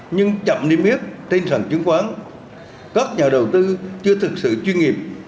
nhưng chậm niêm yếp trên sàn chính khoán các nhà đầu tư chưa thực sự chuyên nghiệp